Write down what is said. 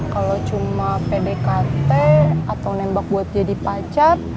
kalau cuma pdkt atau nembak buat jadi pacar